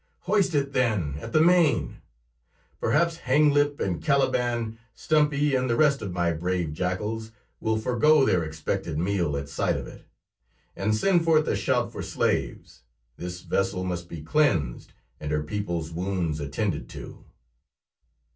"Hoist it, then, at the main! Perhaps Hanglip and Caliban, Stumpy and the rest of my brave jackals, will forego their expected meal at sight of it. And send forth a shout for slaves; this vessel must be cleansed and her people's wounds attended to."